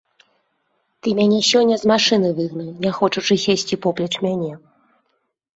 Ты мяне сёння з машыны выгнаў, не хочучы сесці поплеч мяне!